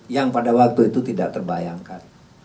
yang pada waktu itu tidak terbayangkan